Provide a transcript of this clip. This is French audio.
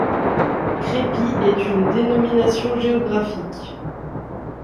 Crépy est une dénomination géographique.